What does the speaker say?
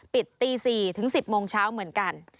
ปิดตี๔๐๐ถึง๑๐๐๐นเช้าเหมือนกัน